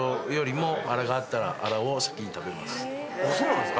あそうなんですか？